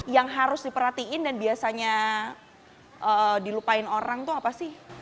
yang harus diperhatiin dan biasanya dilupain orang tuh apa sih